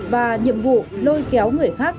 và nhiệm vụ lôi kéo người khác